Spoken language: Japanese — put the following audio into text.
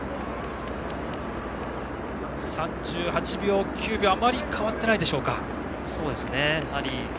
３９秒とあまり変わってないでしょうか。